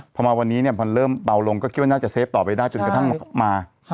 พอมาวันนี้ในครั้งเลิภเบาลงก็คิดสัดจะเซฟต่อไปได้จนกระทั่งมา